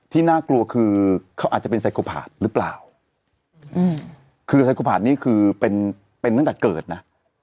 ที่น่ากลัวคือเขาอาจจะเป็นหรือเปล่าอืมคือนี่คือเป็นเป็นตั้งแต่เกิดน่ะ